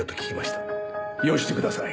よしてください。